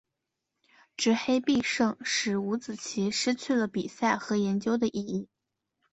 执黑必胜使五子棋失去了比赛和研究的意义。